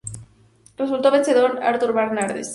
Resultó vencedor Artur Bernardes.